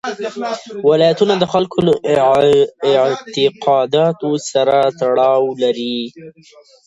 ولایتونه د خلکو له اعتقاداتو سره تړاو لري.